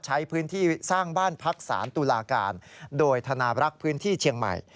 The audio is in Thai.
ใช้พื้นที่สร้างบ้านพักสารตุลาการโดยธนาบรักษ์พื้นที่เชียงใหม่